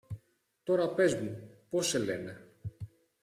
Τώρα πες μου πώς σε λένε.